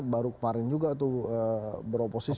baru kemarin juga tuh beroposisi